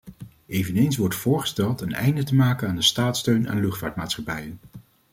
Eveneens wordt voorgesteld een einde te maken aan de staatssteun aan luchtvaartmaatschappijen.